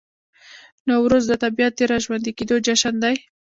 نوروز د طبیعت د راژوندي کیدو جشن دی.